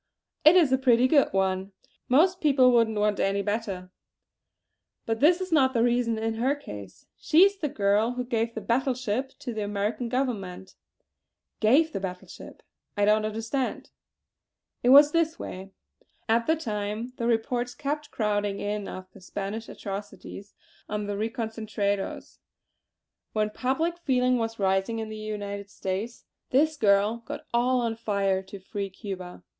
"It is a pretty good one. Most people wouldn't want any better. But this is not the reason in her case. She is the girl who gave the battle ship to the American Government!" "Gave the battle ship! I don't understand!" "It was this way. At the time the reports kept crowding in of the Spanish atrocities on the reconcentrados; when public feeling was rising in the United States, this girl got all on fire to free Cuba.